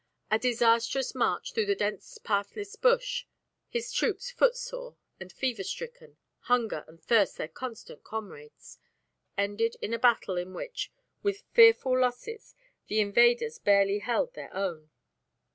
A disastrous march through the dense pathless bush his troops footsore and fever stricken, hunger and thirst their constant comrades ended in a battle in which, with fearful losses, the invaders barely held their own.